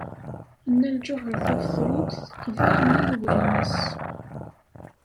Nna Lǧuheṛ Tabetṛunt teqbel nnig wul-nnes.